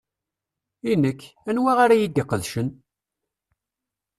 I nekk, anwa ara y-id-iqedcen?